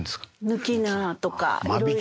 抜菜とかいろいろ。